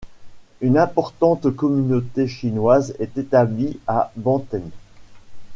Une importante communauté chinoise est établie à Banten.